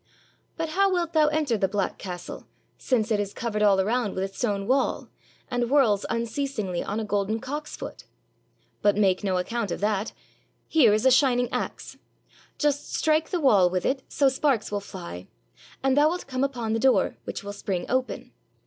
"But how wilt thou enter the black castle, since it is covered all around with a stone wall, and whirls unceas ingly on a golden cock's foot ? But make no account of that. Here is a shining axe. Just strike the wall with it so sparks will fly, and thou wilt come upon the door, which will spring open.